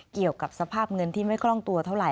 เกี่ยวกับสภาพเงินที่ไม่คล่องตัวเท่าไห